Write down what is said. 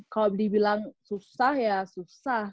kalau dibilang susah ya susah